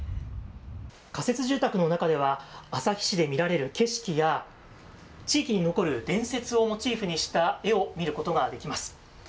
仮設住宅の中では、旭市で見られる景色や、地域に残る伝説をモチーフにした絵を見ることができます。